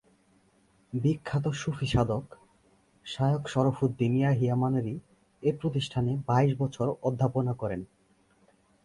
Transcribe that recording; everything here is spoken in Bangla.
বিখ্যাত সুফি সাধক শায়খ শরফুদ্দীন ইয়াহিয়া মানেরী এ প্রতিষ্ঠানে বাইশ বছর অধ্যাপনা করেন।